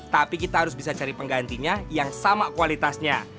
tapi kita harus bisa cari penggantinya yang sama kualitasnya